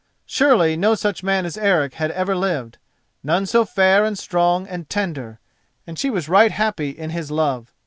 Surely no such man as Eric had ever lived—none so fair and strong and tender; and she was right happy in his love!